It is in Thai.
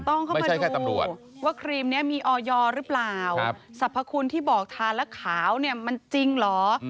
ต้องเข้ามาดูว่าครีมนี้มีออยหรือเปล่าสรรพคุณที่บอกทานแล้วขาวเนี่ยมันจริงเหรอ